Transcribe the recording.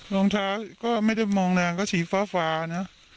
รองเท้าก็ไม่ได้มองแรงก็สีฟ้านะ